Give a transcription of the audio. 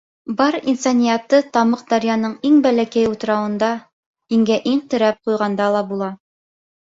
Бар инсаниятты Тымыҡ дарьяның иң бәләкәй утрауында иңгә иң терәп ҡуйғанда ла була.